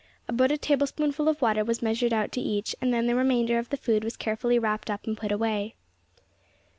About a table spoonful of water was measured out to each, and then the remainder of the food was carefully wrapped up and put away.